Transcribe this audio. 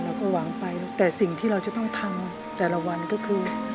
เราก็หวังไปแต่สิ่งที่เราจะต้องทำแต่ละวันก็คือ